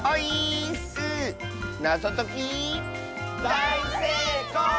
だいせいこう！